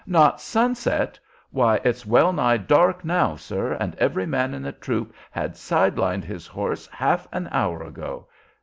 "Not sunset! why, it's well nigh dark now, sir, and every man in the troop had side lined his horse half an hour ago.